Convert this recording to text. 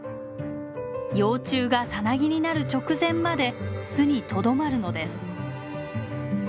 幼虫がさなぎになる直前まで巣にとどまるのです。